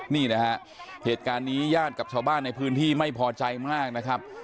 นี่นะฮะเหตุการณ์นี้ญาติกับชาวบ้านในพื้นที่ไม่พอใจมากนะครับ